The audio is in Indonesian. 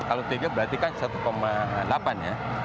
kalau tiga berarti kan satu delapan ya